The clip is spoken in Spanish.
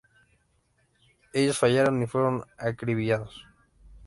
Ellos fallaron y fueron acribillados.